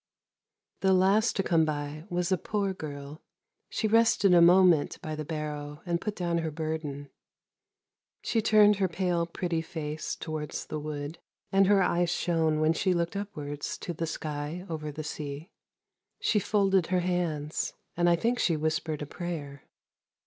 The last to come by was a poor girl, she rested a moment by the barrow and put down her burden. She turned her pale pretty face towards the wood and her eyes shone when she looked upwards to the sky over the sea. She folded her hands and I think she whispered a prayer.